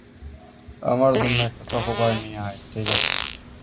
আমার জন্য একটা চকোবার নিয়ে আয়, - ঠিক আছে।